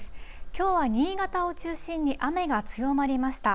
きょうは新潟を中心に雨が強まりました。